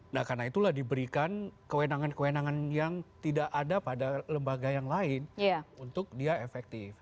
nah karena itulah diberikan kewenangan kewenangan yang tidak ada pada lembaga yang lain untuk dia efektif